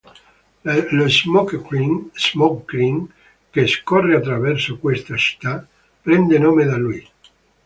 Lo Smoke Creek, che scorre attraverso questa città, prende nome da lui.